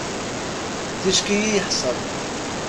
Ticki i yeḥsel.